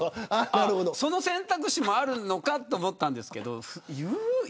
その選択肢もあるのかと思ったんですけど。